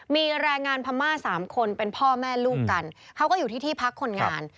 มีแรงงานพม่า๓คนเป็นพ่อแม่ลูกกันเขาก็อยู่ที่ที่พักคนงาน